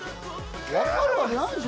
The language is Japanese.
分かるわけないでしょ